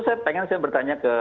saya pengen saya bertanya ke